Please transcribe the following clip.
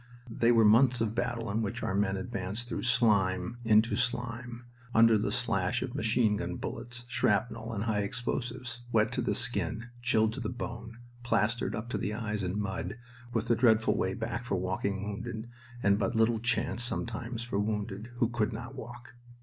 They were months of battle in which our men advanced through slime into slime, under the slash of machine gun bullets, shrapnel, and high explosives, wet to the skin, chilled to the bone, plastered up to the eyes in mud, with a dreadful way back for walking wounded, and but little chance sometimes for wounded who could not walk.